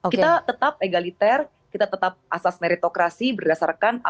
kita tetap egaliter kita tetap asas meritokrasi berdasarkan apakah kita bisa menempatkan kepentingan